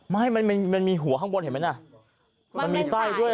ไม่มันมีหัวข้างบนเห็นไหมน่ะมันมีไส้ด้วย